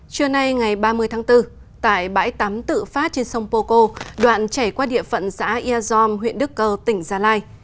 trưa nay ngày ba mươi tháng bốn tại bãi tắm tự phát trên sông poco đoạn chảy qua địa phận xã iazom huyện đức cơ tỉnh gia lai